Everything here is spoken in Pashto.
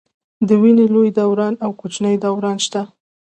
د وینې لوی دوران او کوچني دوران شته.